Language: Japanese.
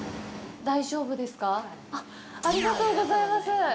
ありがとうございます。